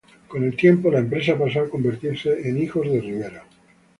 Con el tiempo, la empresa pasó a convertirse en Hijos de Rivera.